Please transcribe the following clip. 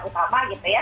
utama gitu ya